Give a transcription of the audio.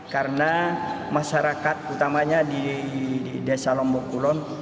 karena masyarakat utamanya di desa lombokulon